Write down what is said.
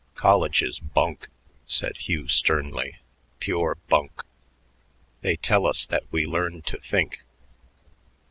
"College is bunk," said Hugh sternly, "pure bunk. They tell us that we learn to think.